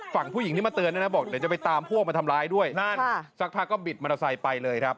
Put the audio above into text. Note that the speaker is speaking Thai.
ฝั่งผู้หญิงที่มาเตือนด้วยนะบอกเดี๋ยวจะไปตามพวกมาทำร้ายด้วยนั่นสักพักก็บิดมอเตอร์ไซค์ไปเลยครับ